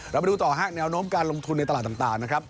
เราไปดูต่อฮะแนวโน้มการลงทุนในตลาดต่างนะครับ